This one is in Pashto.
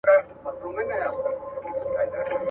پاچا و ايستل له ځانه لباسونه .